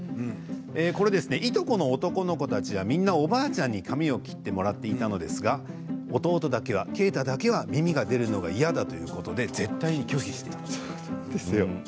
いとこの男の子たちはみんなおばあちゃんに髪を切ってもらっていたのですが弟だけが、啓太だけが耳が出るのが嫌だということで絶対に拒否していました。